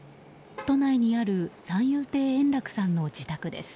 都内にある三遊亭円楽さんの自宅です。